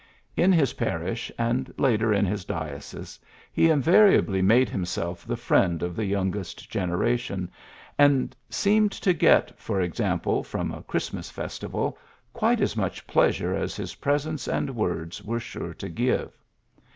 In his parish, and later in his diocese, he invariably made himself the friend of the youngest generation, and seemed to get, for ex ample from a Christmas festival, quite as much pleasure as his presence and words were sure to give.